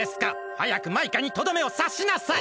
はやくマイカにとどめをさしなさい！